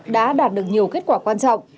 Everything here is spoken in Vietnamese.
đã đạt được nhiều kết quả quan trọng